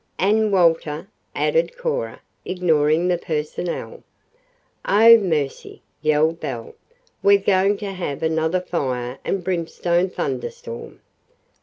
"And Walter," added Cora, ignoring the personal. "Oh, mercy!" yelled Belle. "We're going to have another fire and brimstone thunderstorm!